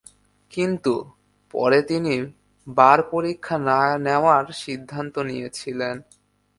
কিন্তু, পরে তিনি বার পরীক্ষা না নেওয়ার সিদ্ধান্ত নিয়েছিলেন।